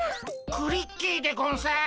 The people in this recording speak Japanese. クリッキーでゴンス。